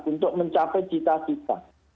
untuk mencapai cita cita